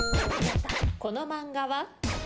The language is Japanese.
この漫画は？